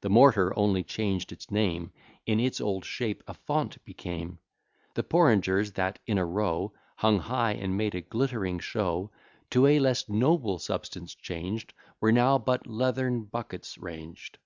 The mortar only chang'd its name, In its old shape a font became. The porringers, that in a row, Hung high, and made a glitt'ring show, To a less noble substance chang'd, Were now but leathern buckets rang'd.